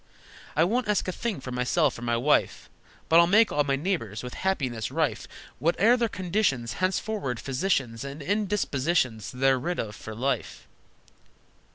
I won't ask a thing for myself or my wife, But I'll make all my neighbors with happiness rife. Whate'er their conditions, Henceforward, physicians And indispositions they're rid of for life!"